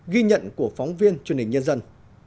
ghi nhận của phóng viên truyền hình nhân dân